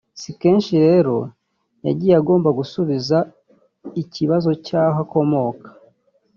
si kenshi rero yagiye agomba gusubiza ikibazo cy’aho akomoka